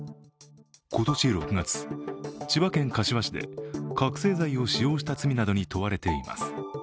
今年６月、千葉県柏市で覚醒剤を使用した罪などに問われています。